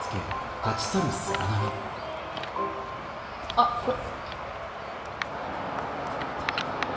あっこれ。